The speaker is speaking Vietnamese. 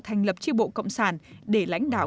thành lập chi bộ cộng sản để lãnh đạo